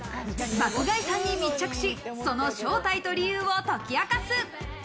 爆買いさんに密着し、その正体と理由を解き明かす。